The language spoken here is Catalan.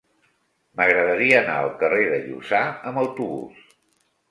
M'agradaria anar al carrer de Lluçà amb autobús.